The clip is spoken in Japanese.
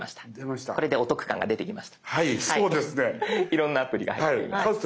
いろんなアプリが入っています。